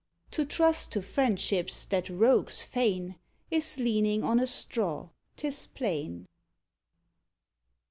To trust to friendships that rogues feign Is leaning on a straw, 'tis plain.